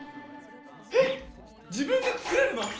えっ自分で作れるの？